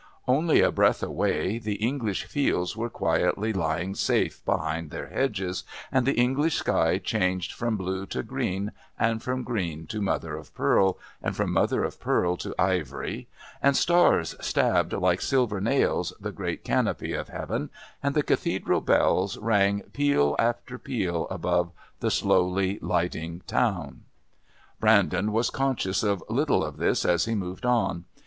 Only a breath away the English fields were quietly lying safe behind their hedges and the English sky changed from blue to green and from green to mother of pearl, and from mother of pearl to ivory, and stars stabbed, like silver nails, the great canopy of heaven, and the Cathedral bells rang peal after peal above the slowly lighting town. Brandon was conscious of little of this as he moved on.